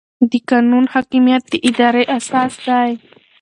د قانون حاکمیت د ادارې اساس دی.